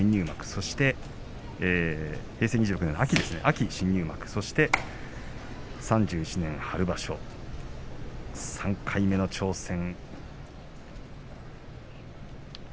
そして平成２６年の秋新入幕そして３１年春場所３回目の挑戦。